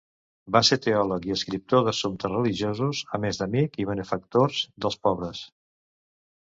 Va ser teòleg i escriptor d'assumptes religiosos, a més d'amic i benefactors dels pobres.